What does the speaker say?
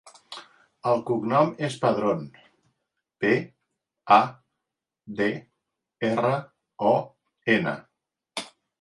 El cognom és Padron: pe, a, de, erra, o, ena.